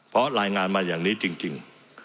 เพราะรายงานมาอย่างนี้จริง